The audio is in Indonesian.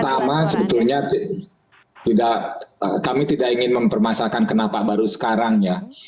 pertama sebetulnya kami tidak ingin mempermasakan kenapa baru sekarang ya